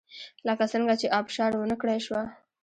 لکه څنګه چې ابشار ونه کړای شوه